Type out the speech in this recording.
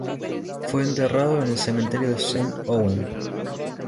Fue enterrado en el Cementerio de Saint-Ouen.